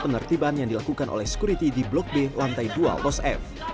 penertiban yang dilakukan oleh sekuriti di blok b lantai dua los f